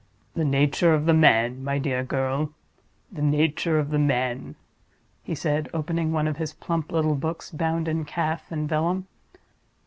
"The nature of the man, my dear girl—the nature of the man," he said, opening one of his plump little books bound in calf and vellum.